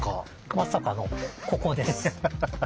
まさかのここです。